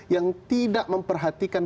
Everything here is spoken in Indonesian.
yang tidak memperhatikan